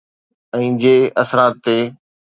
۽ جي اثرات تي